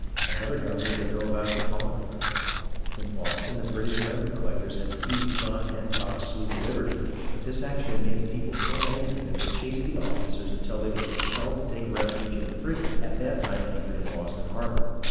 Another governor they drove out of the colony. In Boston, the British revenue collectors had seized John Hancock's sloop Liberty, but this action had made the people so angry that they chased the officers until they were compelled to take refuge in a frigate at that time anchored in Boston harbour.